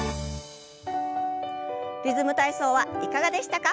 「リズム体操」はいかがでしたか？